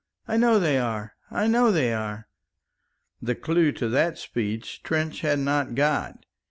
I know they are I know they are." The clue to that speech Trench had not got.